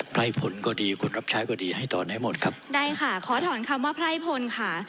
ไพร่ผลก็ดีคนรับใช้ก็ดีให้ถอนให้หมดครับได้ค่ะขอถอนคำว่าไพร่พลค่ะ